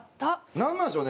何なんでしょうね